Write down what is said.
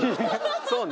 そうね。